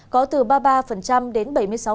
có từ ba mươi ba đến bảy mươi sáu